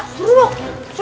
apa itu barusan